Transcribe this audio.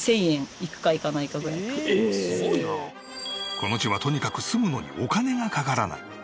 この地はとにかく住むのにお金がかからない。